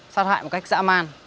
xác hại một cách dã man